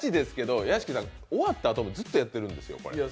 終わったあともずっとやってるんですよ。